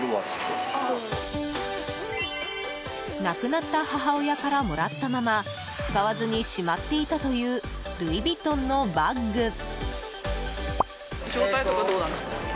亡くなった母親からもらったまま使わずにしまっていたというルイ・ヴィトンのバッグ。